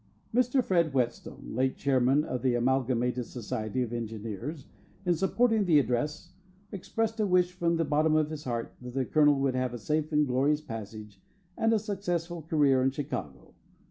Mr. Fred Whetstone (late chairman of the Amalgamated Society of Engineers), in supporting the address, expressed a wish from the bottom of his heart that the colonel would have a safe and glorious passage and a successful career in Chicago.